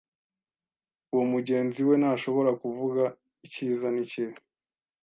Uwo mugenzi we ntashobora kuvuga icyiza n'ikibi.